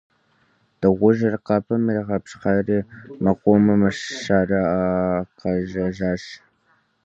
Дыгъужьыр къэпым иригъапщхьэри, мэкъумэшыщӏэр къежьэжащ.